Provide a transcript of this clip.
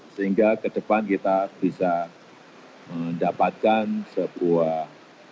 sehingga ke depan kita bisa mendapatkan sebuah